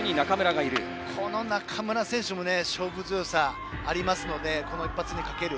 中村選手も勝負強さがありますので一発にかける。